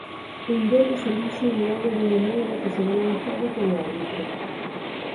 Un deles elixe un lado dunha moeda que será lanzada polo árbitro.